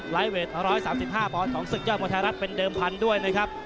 ไลท์เวทร้อยสามสิบห้าบอลสองศึกยอดมอเธอรัฐเป็นเดิมพันธุ์ด้วยนะครับ